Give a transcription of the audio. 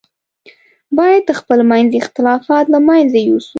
باید خپل منځي اختلافات له منځه یوسو.